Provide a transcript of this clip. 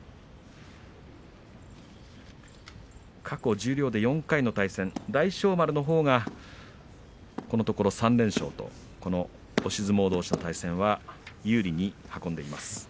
過去十両で４回の対戦大翔丸がこのところ３連勝と押し相撲どうしの対戦は有利に運んでいます。